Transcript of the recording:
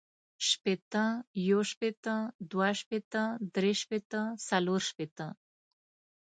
شپیته، یو شپیته، دوه شپیته، درې شپیته، څلور شپیته